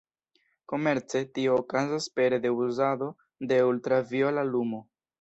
Komerce, tio okazas pere de uzado de ultraviola lumo.